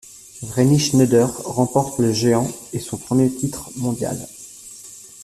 Vreni Schneider remporte le géant et son premier titre mondial.